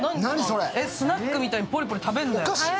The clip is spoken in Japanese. スナックみたいにポリポリ食べるんだよ。